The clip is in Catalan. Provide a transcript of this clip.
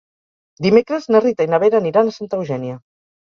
Dimecres na Rita i na Vera aniran a Santa Eugènia.